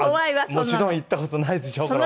もちろん行った事ないでしょうけど。